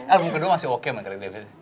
album kedua masih oke sama craig david